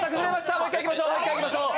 もう一回いきましょう。